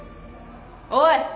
おい。